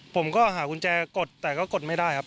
ผมก็หากุญแจกดแต่ก็กดไม่ได้ครับ